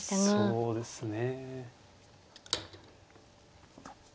そうですね。